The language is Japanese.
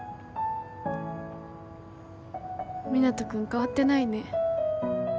湊人君変わってないね。